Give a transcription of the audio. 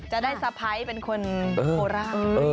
จะได้สะพ้ายเป็นคนโดรท์